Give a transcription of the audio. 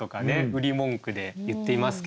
売り文句で言っていますけれど。